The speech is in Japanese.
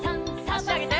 あしあげて。